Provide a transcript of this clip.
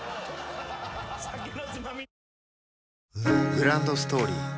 グランドストーリー